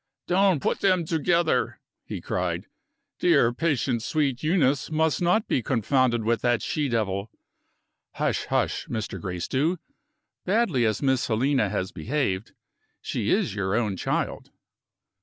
"Don't put them together!" he cried. "Dear, patient, sweet Eunice must not be confounded with that she devil " "Hush, hush, Mr. Gracedieu! Badly as Miss Helena has behaved, she is your own child."